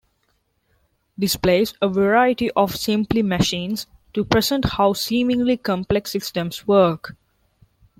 Displays a variety of simply machines to present how seemingly complex systems work.